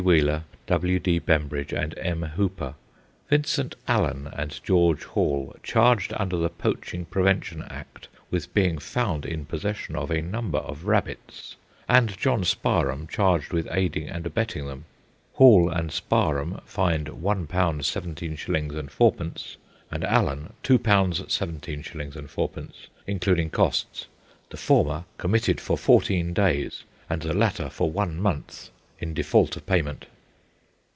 Wheeler, W. D. Bembridge, and M. Hooper. Vincent Allen and George Hall, charged under the Poaching Prevention Act with being found in possession of a number of rabbits, and John Sparham, charged with aiding and abetting them. Hall and Sparham fined £1, 17s. 4d., and Allen £2, 17s. 4d., including costs; the former committed for fourteen days and the latter for one month in default of payment.